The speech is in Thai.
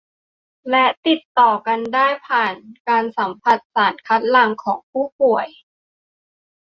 และติดต่อกันได้ผ่านการสัมผัสสารคัดหลั่งของผู้ป่วย